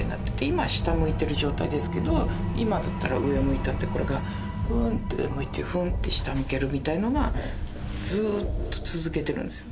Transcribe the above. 今は下を向いてる状態ですけど今だったら上向いたってこれがうんって上向いてふんって下向けるみたいのがずっと続けてるんですよ。